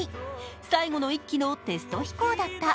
最後の１機のテスト飛行だった。